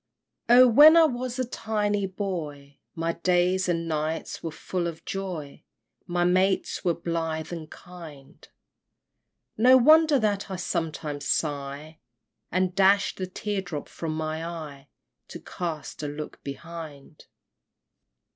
Oh, when I was a tiny boy, My days and nights were full of joy, My mates were blithe and kind! No wonder that I sometimes sigh, And dash the tear drop from my eye, To cast a look behind!